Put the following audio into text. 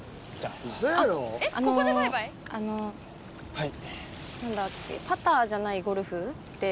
はい。